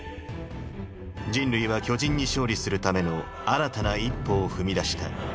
人類は巨人に勝利するための新たな一歩を踏み出した。